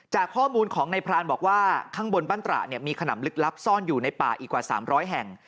จากข้อมูลของในพรานบอกว่าข้างบนบ้านตระเนี่ยมีขนำลึกลับซ่อนอยู่ในป่าอีกกว่า๓๐๐แห่ง